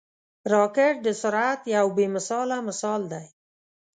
راکټ د سرعت یو بې مثاله مثال دی